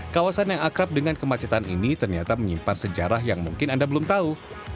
kawasan yang akrab dengan kemacetan ini ternyata menyimpan sejarah yang mungkin anda belum tahu